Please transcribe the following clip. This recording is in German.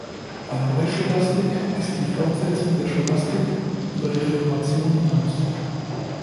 Die Neuscholastik ist die Fortsetzung der Scholastik über die Reformation hinaus.